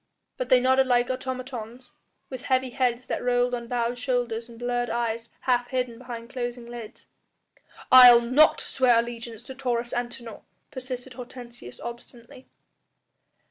But they nodded like automatons, with heavy heads that rolled on bowed shoulders and blurred eyes half hidden behind closing lids. "I'll not swear allegiance to Taurus Antinor," persisted Hortensius obstinately.